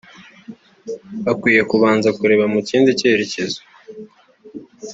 ukwiye kubanza kureba mu kindi cyerekezo